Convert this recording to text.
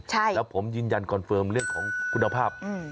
ใช่แล้วผมยืนยันคอนเฟิร์มเรื่องของคุณภาพ